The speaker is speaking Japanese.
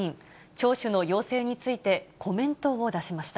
聴取の要請について、コメントを出しました。